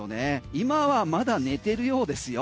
今はまだ寝てるようですよ。